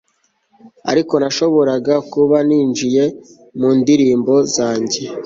ariko, nashoboraga kuba ninjiye mu ndirimbo zanjye